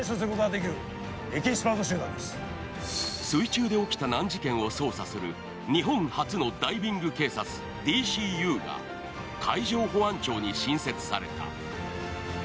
水中で起きた難事件を捜査する日本初のダイビング警察ＤＣＵが海上保安庁に新設された。